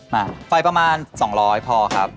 มาไฟประมาณ๒๐๐พอครับ